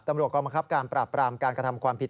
ตำรวจกองบังคับการปราบปรามการกระทำความผิด